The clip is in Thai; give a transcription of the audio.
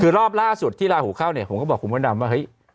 คือรอบล่าสุดที่ลาหูเข้าเนี่ยผมก็บอกคุณพระดำว่าเฮ้ย